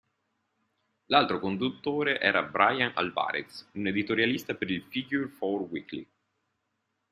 L'altro conduttore era Bryan Alvarez, un editorialista per il "Figure Four Weekly".